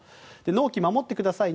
納期守ってください